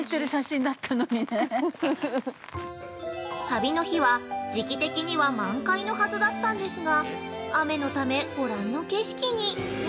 ◆旅の日は、時期的には満開のはずだったんですが雨のため、ご覧の景色に。